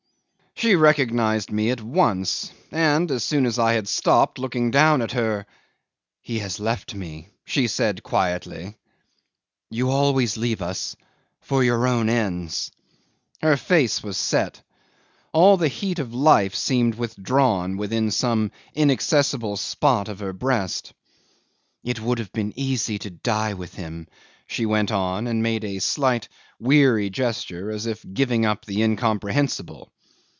'She recognised me at once, and as soon as I had stopped, looking down at her: "He has left me," she said quietly; "you always leave us for your own ends." Her face was set. All the heat of life seemed withdrawn within some inaccessible spot in her breast. "It would have been easy to die with him," she went on, and made a slight weary gesture as if giving up the incomprehensible.